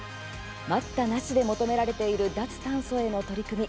待ったなしで求められている脱炭素への取り組み。